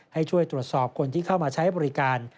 ให้ช่วยตรวจสอบคนที่เข้ามาใช้บริการ